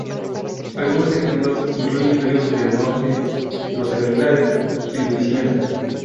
Algunos ejemplos incluyen ríos del norte, los Everglades y Louisiana.